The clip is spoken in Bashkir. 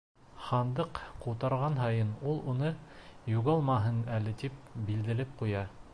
Һандыҡ ҡутарған һайын ул уны, юғалмаһын әле тип, билдәләп ҡуя.